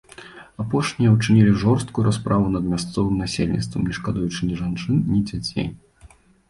Апошнія ўчынілі жорсткую расправу над мясцовым насельніцтвам, не шкадуючы ні жанчын, ні дзяцей.